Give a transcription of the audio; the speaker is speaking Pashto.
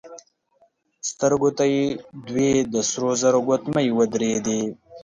سترګو ته يې دوې د سرو زرو ګوتمۍ ودرېدې.